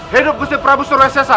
hidup gusti prabu surawisesa